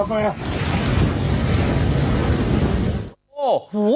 ดับไหนล่ะ